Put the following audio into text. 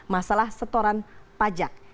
masalah setoran pajak